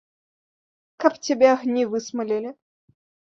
Каб цябе агні высмалілі!